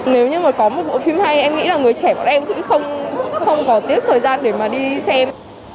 nếu như mà có một bộ phim hay em nghĩ là người trẻ bọn em cũng không không có tiếc thời gian để mà đi xem